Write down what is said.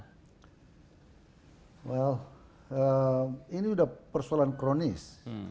well ini sudah persoalan kronis